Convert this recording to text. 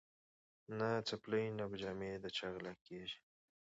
نه څپلۍ نه به جامې د چا غلاکیږي